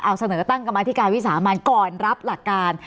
เอาเสนอตั้งกรรมธิการวิสามันก่อนรับหลักการ